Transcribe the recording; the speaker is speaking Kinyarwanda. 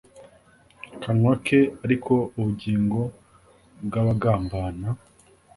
kanwa ke Ariko ubugingo bw abagambana